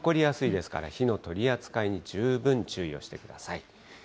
火災が起こりやすいですから、火の取り扱いに十分注意をしてください。